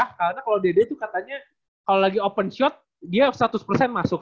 karena kalau dede itu katanya kalau lagi open shot dia seratus masuk